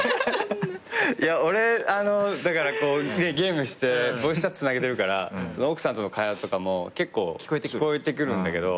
俺だからゲームしてボイスチャットつなげてるから奥さんとの会話とかも結構聞こえてくるんだけど